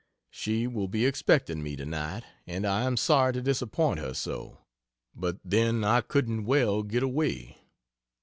She will be expecting me tonight and I am sorry to disappoint her so, but then I couldn't well get away.